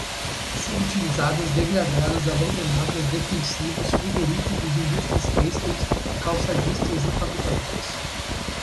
subutilizadas, degradadas, abandonadas, defensivos, frigoríficos, indústrias têxteis, calçadistas, empacotadores